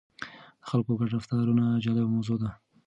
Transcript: د خلکو ګډ رفتارونه جالبه موضوع ده.